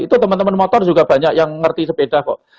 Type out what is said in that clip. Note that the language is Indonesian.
itu teman teman motor juga banyak yang ngerti sepeda kok